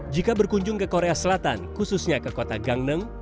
jika berkunjung ke korea selatan khususnya ke kota gangneung